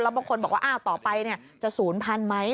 แล้วบางคนบอกว่าต่อไปจะศูนย์พันธุ์ไหม